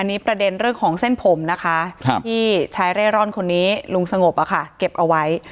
อันนี้ประเด็นเรื่องของเส้นผมนะคะที่ชายเร่ร่อนคนนี้ลุงสงบเก็บเอาไว้